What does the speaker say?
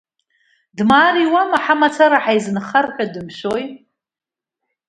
Дмаар иуама, ҳамацара ҳаизынхар ҳәа дымшәои!